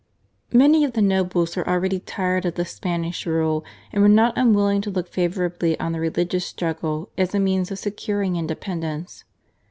Many of the nobles were already tired of the Spanish rule, and were not unwilling to look favourably on the religious struggle as a means of securing independence.